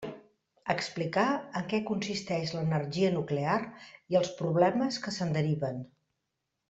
Explicar en què consisteix l'energia nuclear i els problemes que se'n deriven.